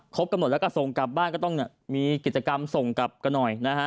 กำหนดแล้วก็ส่งกลับบ้านก็ต้องมีกิจกรรมส่งกลับกันหน่อยนะฮะ